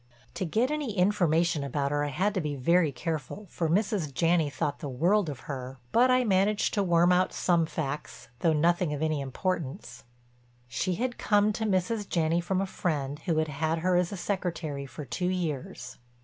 To get any information about her I had to be very careful for Mrs. Janney thought the world of her, but I managed to worm out some facts, though nothing of any importance. She had come to Mrs. Janney from a friend who had had her as secretary for two years.